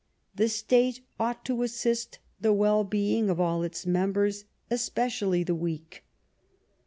The State ought to assist the well being of all its members, especially the weak."